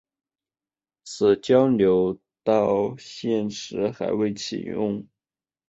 此交流道现时还未启用。